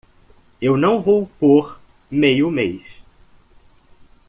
Eu não vou por meio mês.